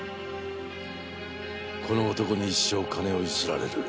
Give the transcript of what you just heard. この男に一生金をゆすられる。